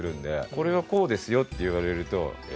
これはこうですよって言われるとえ？